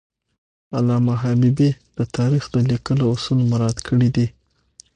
علامه حبیبي د تاریخ د لیکلو اصول مراعات کړي دي.